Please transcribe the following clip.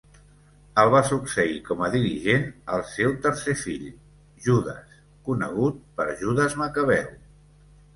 El va succeir com a dirigent el seu tercer fill Judes conegut per Judes Macabeu.